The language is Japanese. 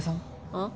うん？